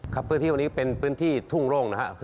พื้นที่วันนี้เป็นพื้นที่ทุ่งโร่งนะครับ